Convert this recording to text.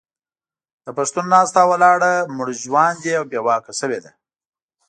د پښتون ناسته او ولاړه مړژواندې او بې واکه شوې ده.